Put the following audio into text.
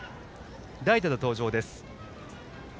代打で登場です。